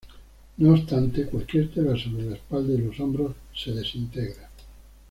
No obstante, cualquier tela sobre la espalda y los hombros se desintegra.